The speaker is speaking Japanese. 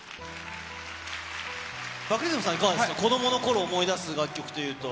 バカリズムさん、いかがですか、子どものころ、思い出す楽曲というと。